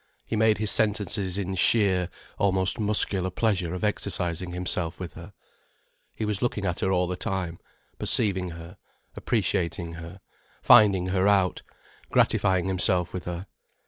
He made his sentences in sheer, almost muscular pleasure of exercising himself with her. He was looking at her all the time, perceiving her, appreciating her, finding her out, gratifying himself with her.